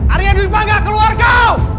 arya dirbangga keluar kau